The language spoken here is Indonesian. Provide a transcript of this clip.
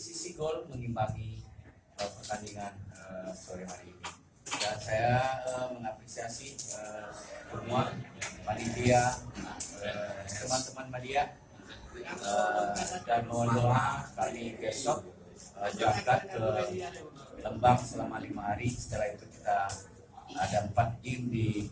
semua kalimantan palasia teman teman palia dan mohon maaf kali besok jangkat ke lembang selama lima hari setelah itu kita ada empat game di korea selatan